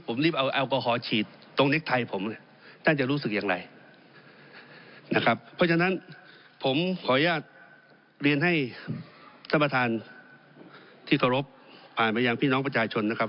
ผมขอให้คำยืนยันครับ